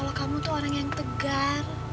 kalau kamu tuh orang yang tegar